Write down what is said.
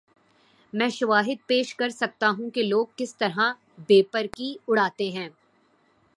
میں شواہد پیش کر سکتا ہوں کہ لوگ کس طرح بے پر کی اڑاتے ہیں۔